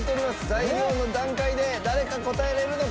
材料の段階で誰か答えられるのか？